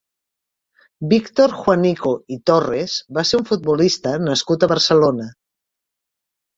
Víctor Juanico i Torres va ser un futbolista nascut a Barcelona.